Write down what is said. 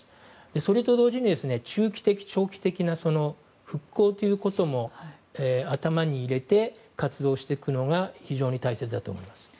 それと同時に中期的、長期的な復興ということも頭に入れて活動していくのが非常に大切だと思います。